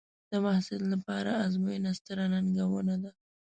د محصل لپاره ازموینه ستره ننګونه ده.